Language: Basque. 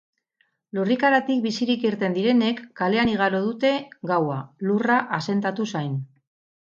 Lurrikaratik bizirik irten direnek kalean igaro dute gaua, lurra asentatu zain.